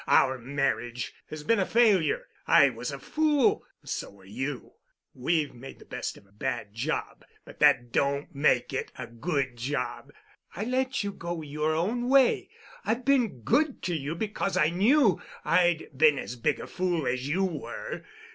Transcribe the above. Our marriage has been a failure. I was a fool—so were you. We've made the best of a bad job, but that don't make it a good job. I let you go your own way. I've been good to you because I knew I'd been as big a fool as you were.